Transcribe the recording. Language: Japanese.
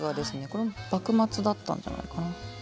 これも幕末だったんじゃないかな。